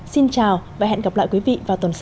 xin chào và hẹn gặp lại quý vị vào tuần sau